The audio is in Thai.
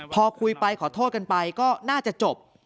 พอคุยไปขอโทษกันไปก็น่าจะจบ